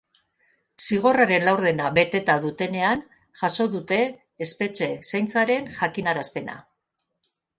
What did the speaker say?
Zigorraren laurdena beteta dutenean jaso dute espetxe zaintzaren jakinarazpena.